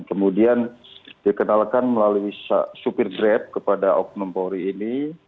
kemudian dikenalkan melalui supir grep kepada oknum poli ini